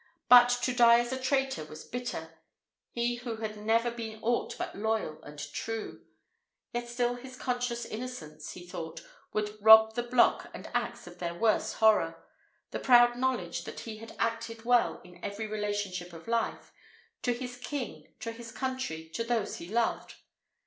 But to die as a traitor was bitter, he who had never been aught but loyal and true; yet still his conscious innocence, he thought, would rob the block and axe of their worst horror; the proud knowledge that he had acted well in every relationship of life: to his king, to his country, to those he loved.